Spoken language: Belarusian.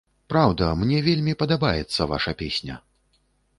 Праўда, мне вельмі падабаецца ваша песня.